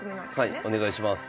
はいお願いします。